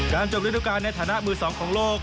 จบฤดูการในฐานะมือสองของโลก